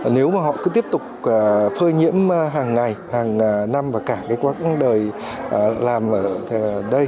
nếu mà họ cứ tiếp tục phơi nhiễm hàng ngày hàng năm và cả cái quá đời làm ở đây